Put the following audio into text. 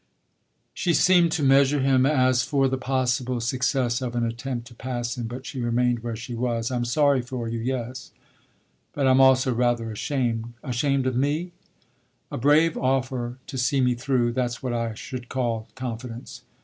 She seemed to measure him as for the possible success of an attempt to pass him. But she remained where she was. "I'm sorry for you, yes, but I'm also rather ashamed." "Ashamed of me?" "A brave offer to see me through that's what I should call confidence.